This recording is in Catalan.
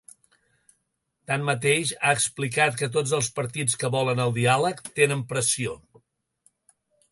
Tanmateix, ha explicat que tots els partits que volen el diàleg tenen pressió.